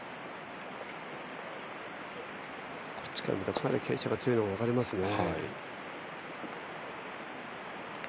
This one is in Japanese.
こっちから見るとかなり傾斜が強いのが分かりますよね。